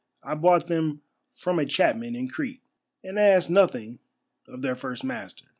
I bought them from a chapman in Crete, and asked nothing of their first master.